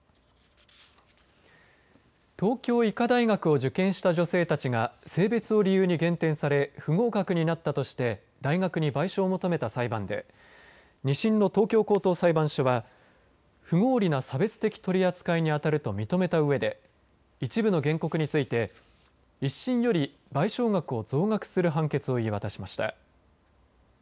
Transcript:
東京医科大学を受験した女性たちが性別を理由に減点され不合格になったとして大学に賠償を求めた裁判で２審の東京高等裁判所は不合理な差別的取り扱いに当たると認めたうえで一部の原告について１審より賠償額を増額する判決を言い渡しました。